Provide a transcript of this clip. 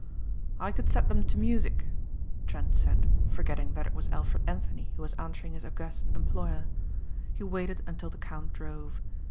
"I could set them to music," Trent said forgetting that it was Alfred Anthony who was answering his august employer. He waited until the count drove.